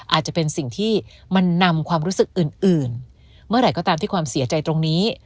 อาจจะเป็นสิ่งที่มันนำความรู้สึกอื่นอื่นเมื่อไหร่ก็ตามที่ความเสียใจตรงนี้